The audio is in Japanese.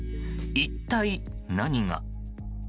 一体何が？